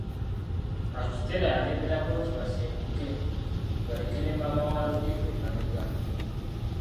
Akitela yalemelako nti basenguke, baleke ne maama wa Lodipo emabega.